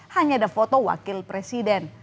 hanya ada foto wakil presiden